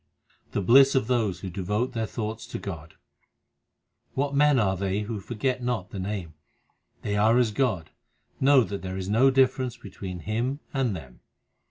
The bliss of those who devote their thoughts to Godr What men are they who forget not the Name ? They are as God ; know that there is no difference be tween Him and them.